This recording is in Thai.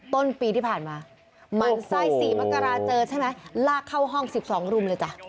ต้นปีที่ผ่านมาหมั่นไส้๔มกราเจอใช่ไหมลากเข้าห้อง๑๒รุมเลยจ้ะ